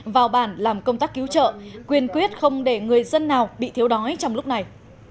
vào bản làm công tác cứu trợ quyền quyết không để người dân nào bị thiếu đói trong lúc này